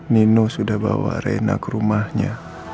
nino sudah bawa reina ke rumahnya